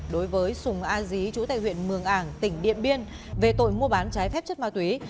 đối với sùng a dí chủ tại huyện mường ảng tỉnh điện biên về tội mua bán trái phép chất ma túy